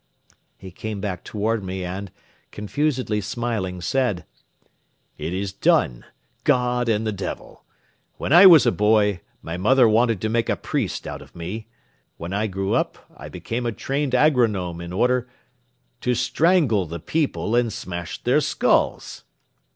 He came back toward me and, confusedly smiling, said: "It is done. God and the Devil! When I was a boy, my mother wanted to make a priest out of me. When I grew up, I became a trained agronome in order ... to strangle the people and smash their skulls.